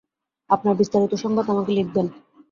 আপনার বিস্তারিত সংবাদ আমাকে লিখবেন।